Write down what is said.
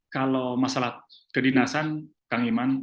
kalau masalah kedinasan kang iman